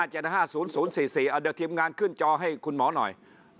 เดี๋ยวทีมงานขึ้นจอให้คุณหมอหน่อย